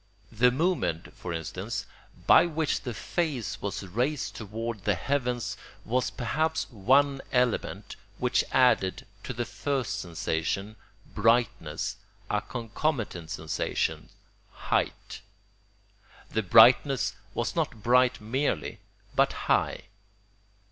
The movement, for instance, by which the face was raised toward the heavens was perhaps one element which added to the first sensation, brightness, a concomitant sensation, height; the brightness was not bright merely, but high.